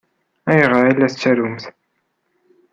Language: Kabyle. Ayɣer i la tettrumt?